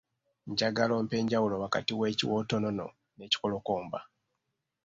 Njagala ompe enjawulo wakati w’ekiwottonono n’ekikolokomba